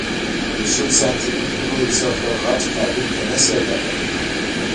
شل سانتي مترو نه غټ کابین ته نه شې وړلی.